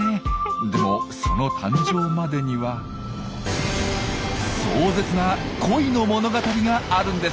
でもその誕生までには壮絶な恋の物語があるんです。